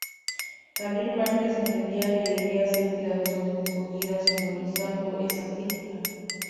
Carril Márquez entendía que debía ser cuidadosamente escogida simbolizando esa crítica.